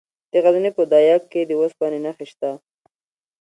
د غزني په ده یک کې د اوسپنې نښې شته.